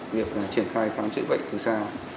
việc triển khai khám chữa bệnh từ xa